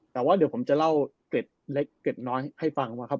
แต่ว่าเดี๋ยวผมจะเล่าเกร็ดเล็กเกร็ดน้อยให้ฟังว่าครับ